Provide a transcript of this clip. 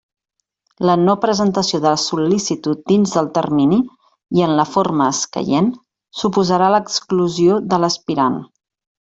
La no-presentació de la sol·licitud dins del termini i en la forma escaient suposarà l'exclusió de l'aspirant.